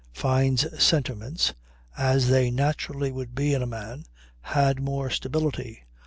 Fyne's sentiments (as they naturally would be in a man) had more stability.